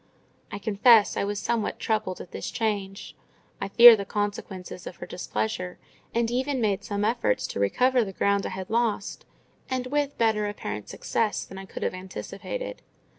I confess I was somewhat troubled at this change: I feared the consequences of her displeasure, and even made some efforts to recover the ground I had lost—and with better apparent success than I could have anticipated.